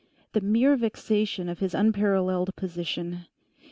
The mere vexation of his unparalleled position.